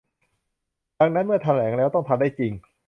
ดังนั้นเมื่อแถลงแล้วต้องทำได้จริง